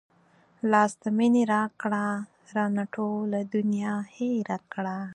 لاس د مينې راکړه رانه ټوله دنيا هېره کړه